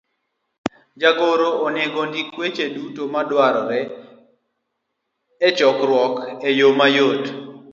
Jagoro onego ondik weche duto madwarore e chokruok e yo machuok,